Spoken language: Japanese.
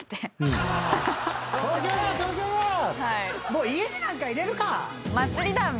「もう家になんかいれるか！」